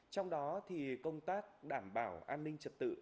trong đó thì công tác đảm bảo an ninh trật tự